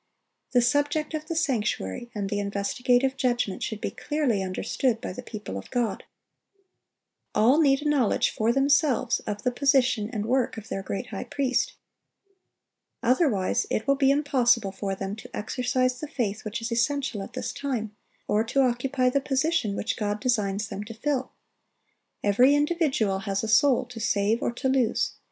The subject of the sanctuary and the investigative judgment should be clearly understood by the people of God. All need a knowledge for themselves of the position and work of their great High Priest. Otherwise, it will be impossible for them to exercise the faith which is essential at this time, or to occupy the position which God designs them to fill. Every individual has a soul to save or to lose.